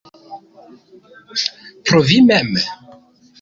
Pro vi mem.